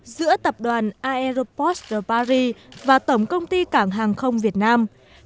giữa tập đoàn aroport de paris và tổng công ty cảng hàng không việt nam